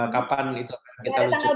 kapan itu akan kita lucu